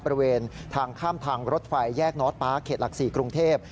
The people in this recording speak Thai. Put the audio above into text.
บริเวณทางข้ามทางรถไฟแยกนอดป๊าเขตหลัก๔กรุงเทพ